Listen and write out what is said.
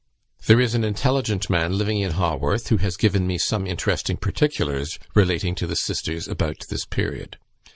There is an intelligent man living in Haworth, who has given me some interesting particulars relating to the sisters about this period.